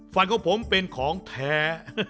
ของผมเป็นของแท้